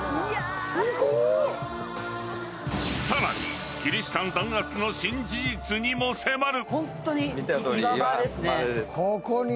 更に、キリシタン弾圧の新事実にも迫る。